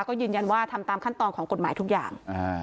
ก็ยืนยันว่าทำตามขั้นตอนของกฎหมายทุกอย่าง